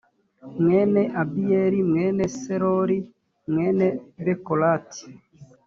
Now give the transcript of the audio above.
mwene abiyeli mwene serori mwene bekorati